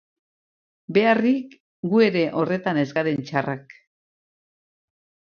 Beharrik, gu ere horretan ez garen txarrak...